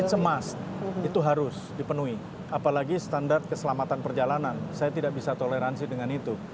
⁇ s a musk itu harus dipenuhi apalagi standar keselamatan perjalanan saya tidak bisa toleransi dengan itu